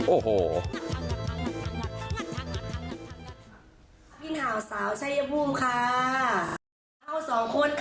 โอ้โห